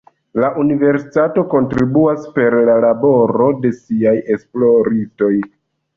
La universitatoj kontribuas per la laboro de siaj esploristoj.